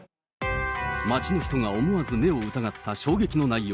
街の人が思わず目を疑った衝撃の内容。